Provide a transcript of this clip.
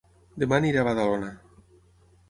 Dema aniré a Badalona